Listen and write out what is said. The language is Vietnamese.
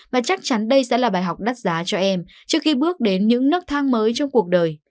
và chắc chắn đây sẽ là bài học đắt giá cho em trước khi bước đến những nước thang mới trong cuộc đời